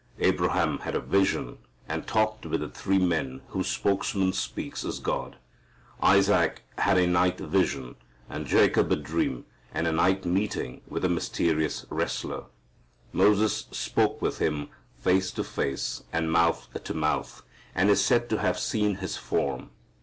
Abraham had a vision, and talked with the three men whose spokesman speaks as God. Isaac has a night vision and Jacob a dream and a night meeting with a mysterious wrestler. Moses spoke with Him "face to face" and "mouth to mouth," and is said to have seen His "form."